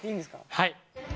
はい。